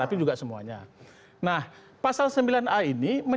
apa itu disitu ada kpu disitu ada pemerintah disitu ada universitas